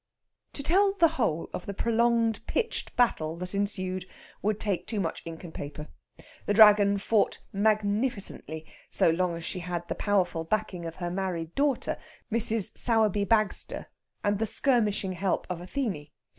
To tell the whole of the prolonged pitched battle that ensued would take too much ink and paper. The Dragon fought magnificently, so long as she had the powerful backing of her married daughter, Mrs. Sowerby Bagster, and the skirmishing help of Athene.